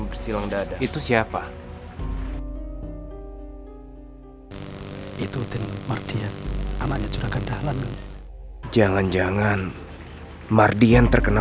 bersilang dada itu siapa itu tim mardian amatnya curahkan dalam jangan jangan mardian terkena